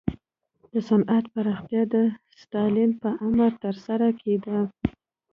د صنعت پراختیا د ستالین په امر ترسره کېده.